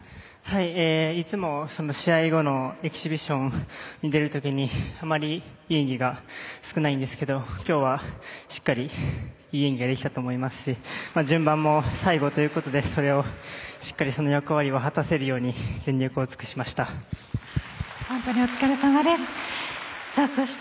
いつも、試合後のエキシビションに出る時にいい演技が少ないんですけど今日はしっかりいい演技ができたと思いますし順番も最後ということでしっかり、その役割を果たせるように全力を尽くしました。